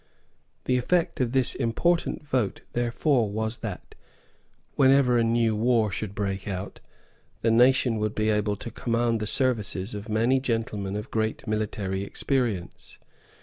The effect of this important vote therefore was that, whenever a new war should break out, the nation would be able to command the services of many gentlemen of great military experience.